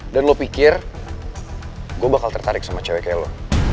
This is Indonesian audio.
dan lo pikir gue bakal tertarik sama cewek kayak lo